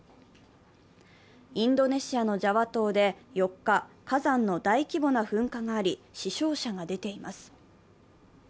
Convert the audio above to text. インドネシアのジャワ島で４日、火山の大規模な噴火があり死傷者が出ています。